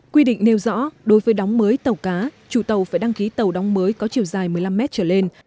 quy định nêu rõ đối với đóng mới tàu cá chủ tàu phải đăng ký tàu đóng mới có chiều dài một mươi năm mét trở lên